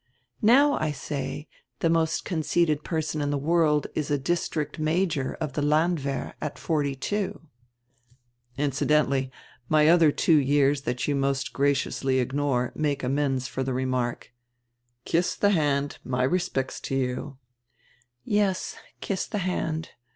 "Now I say, the most conceited person in the world is a district major of the landwehr at forty two." "Incidentally, my other two years that you most gra ciously ignore make amends for the remark. Kiss the hand." "Yes, 'kiss the hand.'